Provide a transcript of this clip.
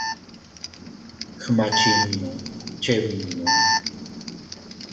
Gma chinnu chebinnu.